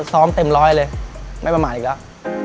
ซ้อมเต็มร้อยเลยไม่ประมาทอีกแล้ว